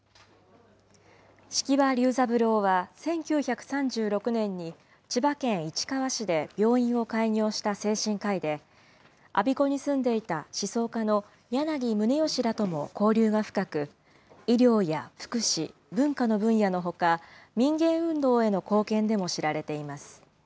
式場隆三郎は、１９３６年に千葉県市川市で病院を開業した精神科医で、我孫子に住んでいた思想家の柳宗悦らとも交流が深く、医療や福祉、文化の分野のほか、民芸運動への貢献でも知られています。